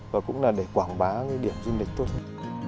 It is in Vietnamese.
và cũng là để quảng bá cái điểm du lịch tốt hơn